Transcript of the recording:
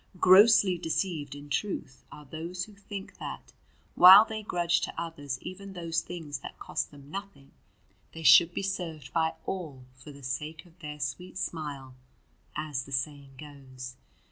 Grossly deceived, in truth, are those who think that, while they grudge to others even those things that cost them nothing, they should be served by all for the sake of their sweet smile, as the saying goes.